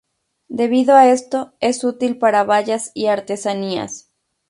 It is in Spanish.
Debido a esto, es útil para vallas y artesanías.